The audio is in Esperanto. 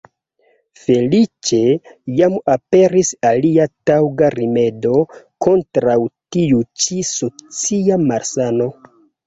Feliĉe jam aperis alia taŭga rimedo kontraŭ tiu ĉi socia malsano.